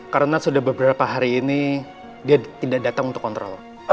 karena sudah beberapa hari ini dia tidak datang untuk kontrol